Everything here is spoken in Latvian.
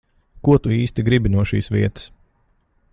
Ko tu īsti gribi no šīs vietas?